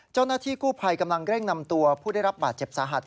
เจ้าหน้าที่กู้ภัยกำลังเร่งนำตัวผู้ได้รับบาดเจ็บสาหัส